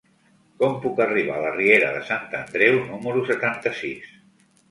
Com puc arribar a la riera de Sant Andreu número setanta-sis?